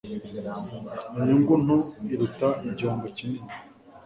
Inyungu nto iruta igihombo kinini